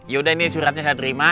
yaudah ini suratnya saya terima